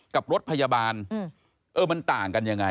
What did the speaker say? กับรถพยาบาลเออมันต่างกันยังไง